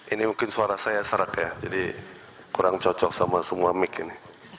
ini mungkin suara saya serak ya jadi kurang cocok sama semua mic ini